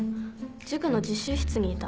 塾の自習室にいた。